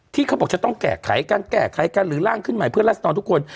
ที่เขาบอกจะต้องแก้ไขการแก้ไขกันหรือร่างขึ้นใหม่เพื่อรัศดรทุกคน